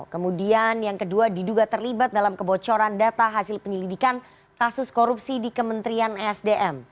kemudian yang kedua diduga terlibat dalam kebocoran data hasil penyelidikan kasus korupsi di kementerian esdm